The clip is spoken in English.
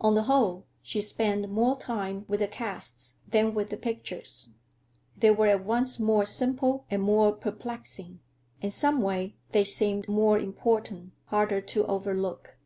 On the whole, she spent more time with the casts than with the pictures. They were at once more simple and more perplexing; and some way they seemed more important, harder to overlook.